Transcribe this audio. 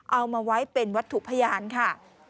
เอามาไว้เป็นวัตถุพยานค่ะ